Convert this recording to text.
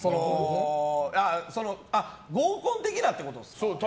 合コン的なってことですか？